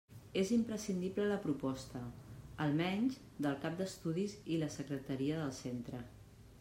És imprescindible la proposta, almenys, del cap d'estudis i la secretaria del centre.